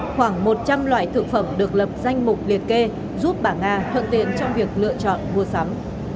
khoảng một trăm linh loại thực phẩm được lập danh mục liệt kê giúp bà nga thuận tiện trong việc lựa chọn mua sắm